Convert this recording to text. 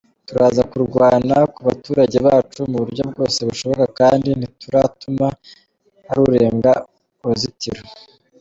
Turaza kurwana ku baturage bacu mu buryo bwose bushoboka kandi ntituratuma hari urenga uruzitiro.